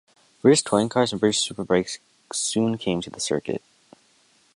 British Touring Cars and British Superbikes soon came to the circuit.